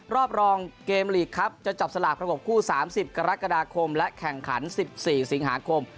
รอบรองเกมลีกครับจะจับสลากประกบคู่๓๐กรกฎาคมและแข่งขัน๑๔สิงหาคม